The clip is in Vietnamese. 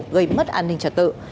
gây mất an ninh trật tự